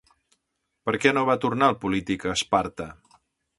Per què no va tornar el polític a Esparta?